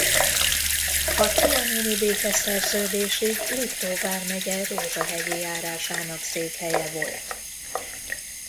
A trianoni békeszerződésig Liptó vármegye Rózsahegyi járásának székhelye volt.